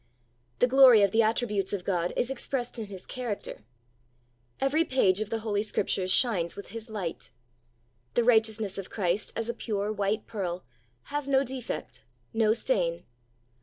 The glory of the attributes of God is expressed in His character. Every page of the Holy Scriptures shines with His light. The righteousness of Christ, as a pure, white pearl, has no defect, no stain.